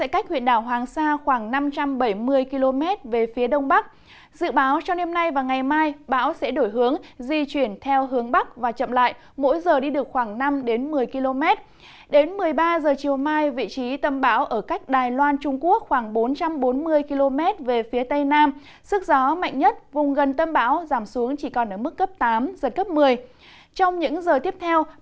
các bạn hãy đăng ký kênh để ủng hộ kênh của chúng mình nhé